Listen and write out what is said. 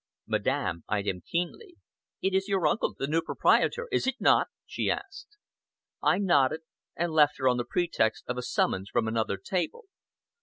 Madame eyed him keenly. "It is your uncle, the new proprietor, is it not?" she asked. I nodded, and left her on the pretext of a summons from another table.